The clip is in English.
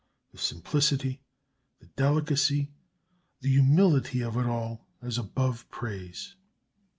The simplicity, the delicacy, the humility of it all is above praise.